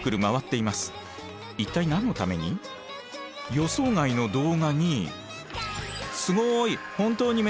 予想外の動画に。